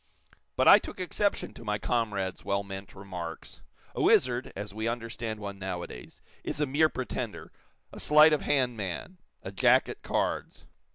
"But I took exception to my comrade's well meant remarks. A wizard, as we understand one nowadays, is a mere pretender, a sleight of hand man a jack at cards.